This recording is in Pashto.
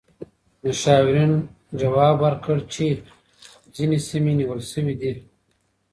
مشاورین ځواب ورکړ چې ځینې سیمې نیول شوې دي.